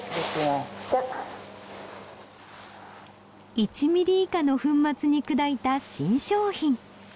１ミリ以下の粉末に砕いた新商品。